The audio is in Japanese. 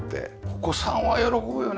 お子さんは喜ぶよねこれね。